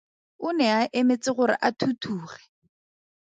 O ne a emetse gore a thuthuge.